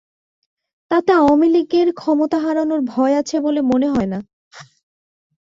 তাতে আওয়ামী লীগের ক্ষমতা হারানোর ভয় আছে বলে মনে হয় না।